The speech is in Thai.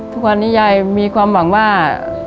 ทุกวันนี้ยายมีความหวังว่า